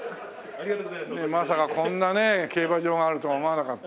まさかこんなねえ競馬場があるとは思わなかった。